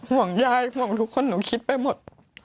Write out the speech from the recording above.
ห่วงยายห่วงทุกคนหนูคิดไปหมด